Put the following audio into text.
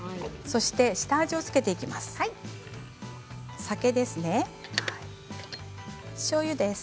そして下味を付けていきます。